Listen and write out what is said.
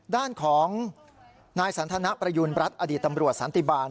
ด้านของนายสันทนะประยุนต์อดีตตำรวจบรรทธิบาล